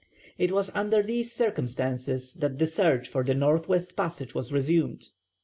It was under these circumstances that the search for the north west passage was resumed.